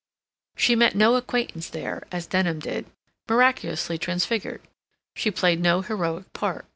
She met no acquaintance there, as Denham did, miraculously transfigured; she played no heroic part.